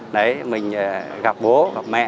đấy mình gặp bố gặp mẹ